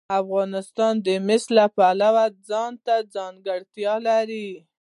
افغانستان د مس د پلوه ځانته ځانګړتیا لري.